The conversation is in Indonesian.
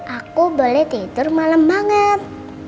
aku boleh tidur malem banget